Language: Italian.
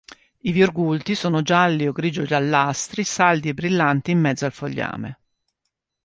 I virgulti sono gialli o grigio-giallastri, saldi e brillanti in mezzo al fogliame.